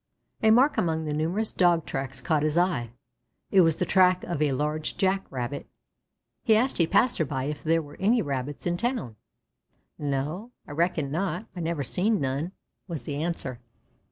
A mark among the numerous Dog tracks caught his eye: it was the track of a large Jack rabbit. He asked a passer by if there were any Rabbits in town. "No, I reckon not. I never seen none," was the answer.